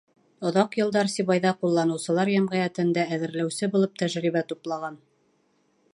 Оҙаҡ йылдар Сибайҙа ҡулланыусылар йәмғиәтендә әҙерләүсе булып тәжрибә туплаған.